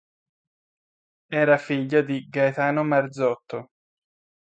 Era figlio di Gaetano Marzotto.